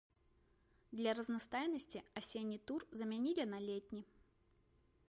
Для разнастайнасці асенні тур замянілі на летні.